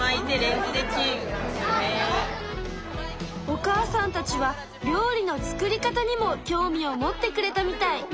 お母さんたちは料理の作り方にも興味を持ってくれたみたい。